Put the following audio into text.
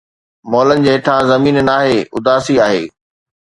مئلن جي هيٺان زمين ناهي، اداسي آهي